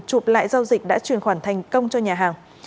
chụp lại giao dịch đã truyền khoản thành công cho nhà hàng